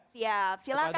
siap silakan kepada